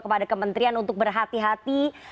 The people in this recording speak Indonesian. kepada kementerian untuk berhati hati